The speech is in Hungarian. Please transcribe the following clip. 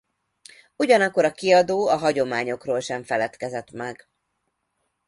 Ugyanakkor a kiadó a hagyományokról sem feledkezett meg.